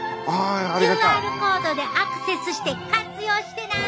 ＱＲコードでアクセスして活用してな！